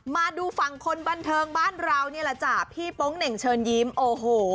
มาดูฝั่งคนบันเทิงบ้านเรานี่แหละจ้ะพี่โป๊งเหน่งเชิญยิ้มโอ้โห